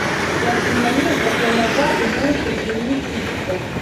Як на мяне, гэтая мяжа апынулася вельмі хісткай.